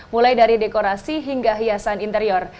mulai dari dekorasi hingga hiasan interior